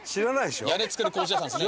屋根作る工事屋さんですね。